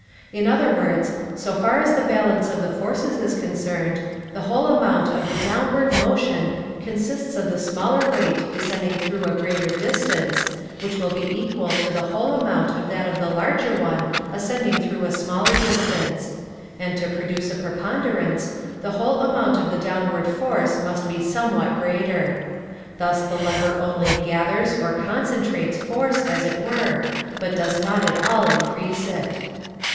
In other words, so far as the balance of the forces is concerned, the whole amount of the downward motion consists of the smaller weight descending through a greater distance, which will be equal to the whole amount of that of the larger one ascending through a smaller distance; and, to produce a preponderance, the whole amount of the downward force must be somewhat greater. Thus the lever only gathers or concentrates force, as it were, but does not at all increase it.